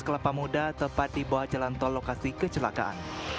kelapa muda tepat di bawah jalan tol lokasi kecelakaan